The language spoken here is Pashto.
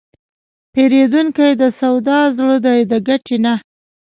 پیرودونکی د سودا زړه دی، د ګټې نه.